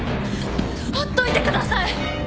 ほっといてください！